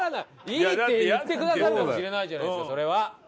いいって言ってくださるかもしれないじゃないですかそれは。